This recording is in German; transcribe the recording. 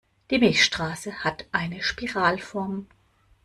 Die Milchstraße hat eine Spiralform.